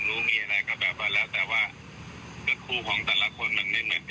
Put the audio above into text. หลังจากพบศพผู้หญิงปริศนาตายตรงนี้ครับ